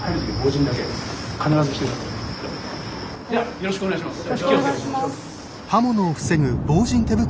よろしくお願いします。